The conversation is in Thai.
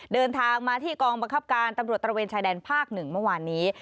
เดินทางมาที่กองบังคับการตำรวจตระเวนชายแดนภาค๑เมื่อวานนี้